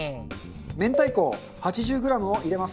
明太子８０グラムを入れます。